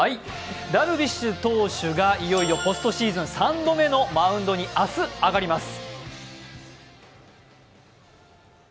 ダルビッシュ投手がいよいよポストシーズン３度目のマウンドに明日上がります。